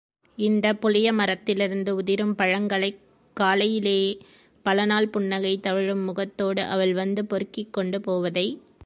இந்தப் புளியமரத்திலிருந்து உதிரும் பழங்களைக் காலையிலே பலநாள் புன்னகை தவழும் முகத்தோடு அவள் வந்து பொறுக்கிக் கொண்டு போவதை.